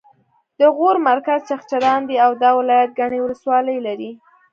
د غور مرکز چغچران دی او دا ولایت ګڼې ولسوالۍ لري